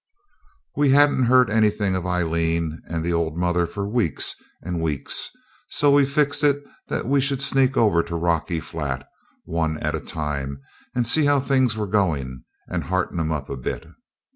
We hadn't heard anything of Aileen and the old mother for weeks and weeks, so we fixed it that we should sneak over to Rocky Flat, one at a time, and see how things were going, and hearten 'em up a bit.